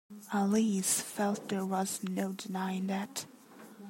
Alice felt there was no denying that.